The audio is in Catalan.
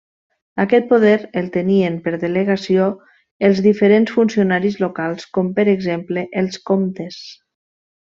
Aquest poder el tenien, per delegació, els diferents funcionaris locals, com, per exemple, els comtes.